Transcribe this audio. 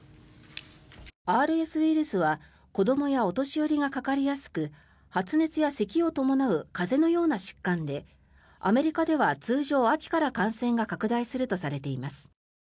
ＲＳウイルスは子どもやお年寄りがかかりやすく発熱やせきを伴う風邪のような疾患でアメリカでは通常、秋から感染が拡大するとされています。